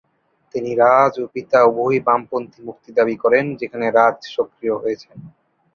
তিনি রাজ ও তার পিতা উভয়ই বামপন্থী মুক্তি দাবি করেন, যেখানে রাজ সক্রিয় হয়েছেন।